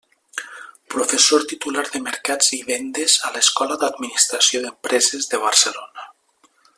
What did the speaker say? Professor titular de mercats i vendes a l'Escola d'Administració d'Empreses de Barcelona.